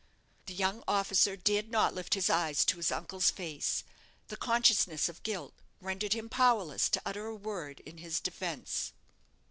The young officer dared not lift his eyes to his uncle's face; the consciousness of guilt rendered him powerless to utter a word in his defence.